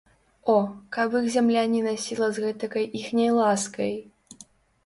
О, каб іх зямля не насіла з гэтакай іхняй ласкай!